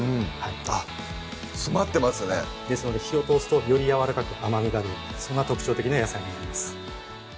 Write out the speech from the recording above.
あっ詰まってますねですので火を通すとよりやわらかく甘みが出るそんな特徴的な野菜になります